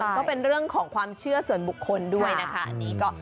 แต่มันก็เป็นเรื่องของความเชื่อส่วนบุคคลด้วยนะคะ